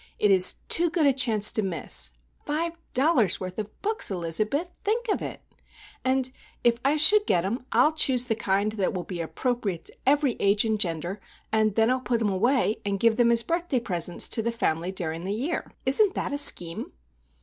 "It is too good a chance to miss. Five dollars' worth of books, Elizabeth! Think of it! And if I should get 'em, I'll choose the kind that will be appropriate to every age and gender, and then I'll put 'em away, and give them as birthday presents to the family during the year. Isn't that a scheme?"